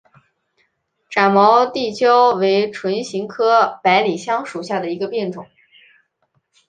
展毛地椒为唇形科百里香属下的一个变种。